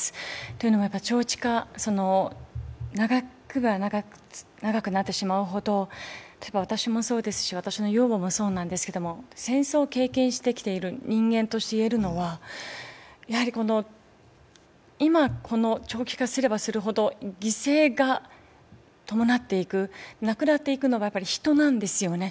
というのも、長くなれば長くなってしまうほど、私もそうですし私の養母もそうですけれども戦争を経験してきている人間として言えるのは、今この長期化すればするほど犠牲が伴っていく、亡くなっていくのは人なんですよね。